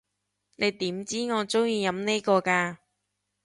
你點知我中意飲呢個㗎？